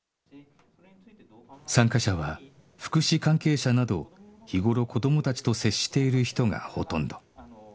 参加者は福祉関係者など日頃子どもたちと接している人がほとんど